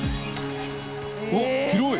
あっ広い！